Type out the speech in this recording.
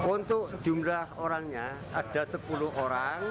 untuk jumlah orangnya ada sepuluh orang